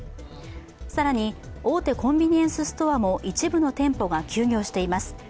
更に大手コンビニエンスストアも一部の店舗が休業しています。